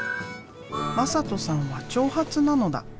「まさとさん」は長髪なのだ。